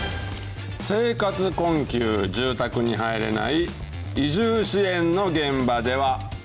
生活困窮、住宅に入れない、居住支援の現場では。